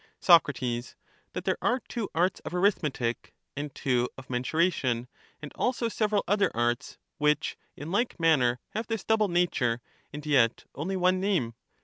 pu^and Soc. That there are two arts of arithmetic, and two of animpurer mensuration; and also several other arts which in like manner have this double nature, and yet only one name.